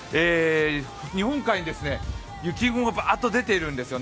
日本海に、雪雲がバーッと出てるんですよね。